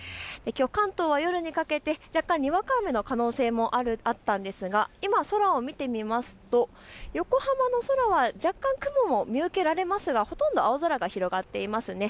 きょう関東は夜にかけて若干、にわか雨の可能性もあったんですが今、空を見てみますと横浜の空は若干、雲も見受けられますがほとんど青空が広がっています。